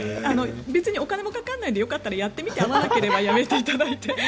お金もかからないのでやってみて合わなければやめていただいて。